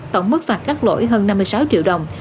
tổng mức phạt các lỗi hơn năm mươi sáu triệu đồng